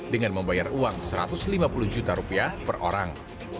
dengan membayar uang satu ratus lima puluh juta rupiah per orang